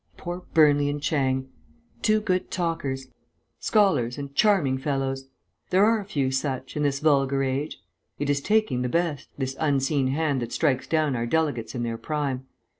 Poor Burnley and Chang! Two good talkers, scholars, and charming fellows. There are few such, in this vulgar age. It is taking the best, this unseen hand that strikes down our delegates in their prime.